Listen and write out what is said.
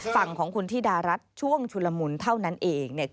ฝั่งของคุณที่ดารัสช่วงชุลมุนเท่านั้นเอง